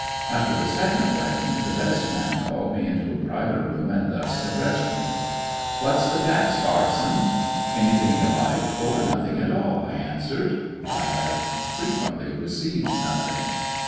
After the second wedding, the best man called me into a private room and thus addressed me : "What 's the tax, parson t" "Anything you like, or nothing at all," I answered. (I have frequently received nothing.)